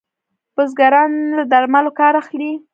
بزګران له درملو کار اخلي.